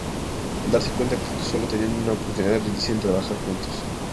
Al darse cuenta de que solo tienen una oportunidad, deciden trabajar juntos.